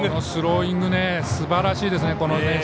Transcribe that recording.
スローイングすばらしいですね。